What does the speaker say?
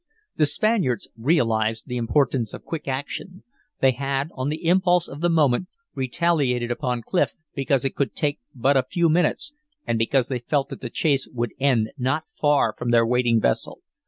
The Spaniards realized the importance of quick action. They had, on the impulse of the moment, retaliated upon Clif because it could take but a few minutes and because they felt that the chase would end not far from their waiting vessel.